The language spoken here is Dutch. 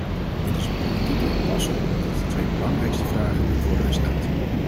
Dit is een politieke impasse omdat de twee belangrijkste vragen niet worden gesteld.